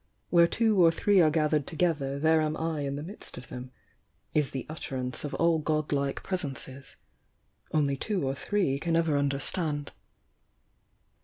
" 'Where two or three are gathered together there am I in the midst of them' — is the utterance of all god like Presences. Only two or three can ever understand."